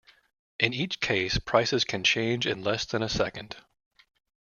In each case prices can change in less than a second.